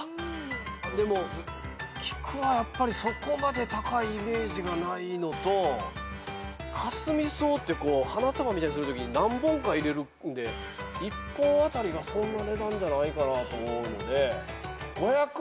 でもキクはそこまで高いイメージがないのとカスミソウって花束みたいにするときに何本か入れるんで一本当たりがそんな値段じゃないかなと思うので。